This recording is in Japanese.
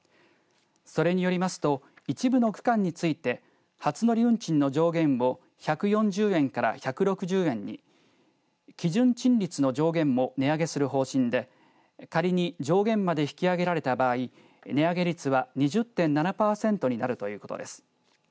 それによりますと一部の区間について初乗り運賃の上限を１４０円から１６０円に基準賃率の上限も値上げする方針で仮に上限まで引き上げられた場合値上げ率は２０．７パーセントになるということです。